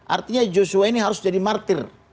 artinya joshua ini harus jadi martir